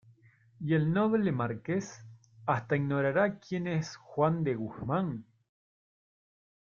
¿ y el noble Marqués hasta ignorará quién es Juan de Guzmán?